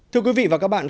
thưa quý vị và các bạn